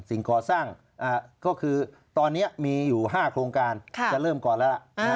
ก่อสร้างก็คือตอนนี้มีอยู่๕โครงการจะเริ่มก่อนแล้วล่ะ